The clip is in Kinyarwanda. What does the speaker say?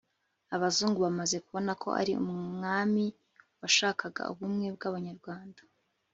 abazungu bamaze kubona ko ari umwami washakaga ubumwe bw'abanyarwanda